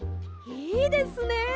いいですね。